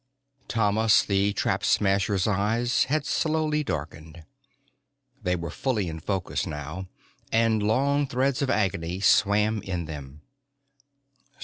Thomas the Trap Smasher's eyes had slowly darkened. They were fully in focus now, and long threads of agony swam in them.